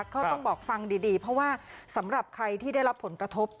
ก็ต้องบอกฟังดีเพราะว่าสำหรับใครที่ได้รับผลกระทบ